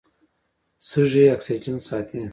سږي اکسیجن ساتي.